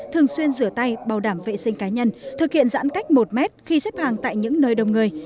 thường xuyên rửa tay bảo đảm vệ sinh cá nhân thực hiện giãn cách một mét khi xếp hàng tại những nơi đông người